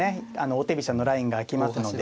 王手飛車のラインが開きますので。